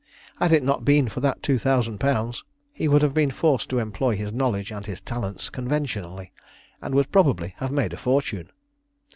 Had it not been for that two thousand pounds he would have been forced to employ his knowledge and his talents conventionally, and would probably have made a fortune.